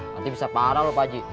nanti bisa parah lo pak ji